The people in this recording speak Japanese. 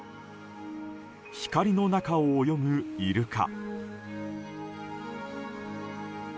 光の中を泳ぐイルカ。